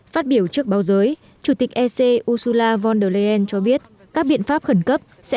phát biểu trước báo giới chủ tịch ec ursula von der leyen cho biết các biện pháp khẩn cấp sẽ